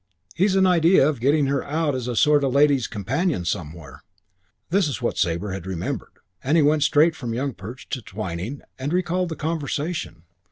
He's an idea of getting her out as a sort of lady's companion somewhere." This was what Sabre had remembered; and he went straight from young Perch to Twyning and recalled the conversation.